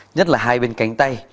nhất là hai bên cánh tay